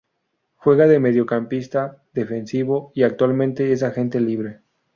Juega de mediocampista defensivo y actualmente es agente libre.